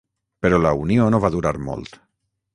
Però la unió no va durar molt.